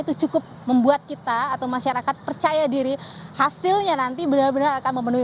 itu cukup membuat kita atau masyarakat percaya diri hasilnya nanti benar benar akan memenuhi